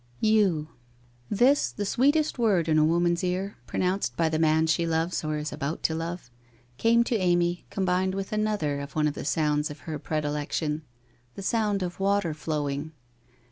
You. ... This, the sweetest word in a woman's ear, pronounced by the man she loves or is about to love, came to Amy combined with another of one of the sounds of her predilection — the sound of water flowing.